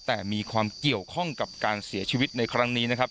แต่มีความเกี่ยวข้องกับการเสียชีวิตในครั้งนี้นะครับ